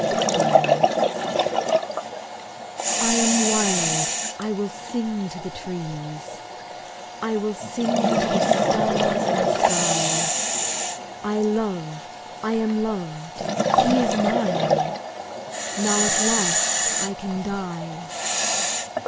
JOY I AM wild, I will sing to the trees, I will sing to the stars in the sky, I love, I am loved, he is mine, Now at last I can die!